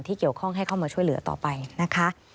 เกี่ยวข้องให้เข้ามาช่วยเหลือต่อไปนะคะ